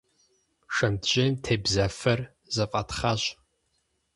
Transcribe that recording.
Шэнтжьейм тебза фэр зэфӏэтхъащ.